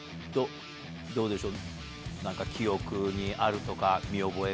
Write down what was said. どうでしょう？